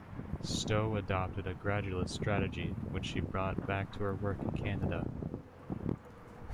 Stowe adopted a gradualist strategy which she brought back to her work in Canada.